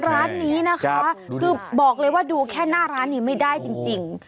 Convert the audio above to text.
ร้านนี้นะคะคือบอกเลยว่าดูแค่หน้าร้านนี้ไม่ได้จริง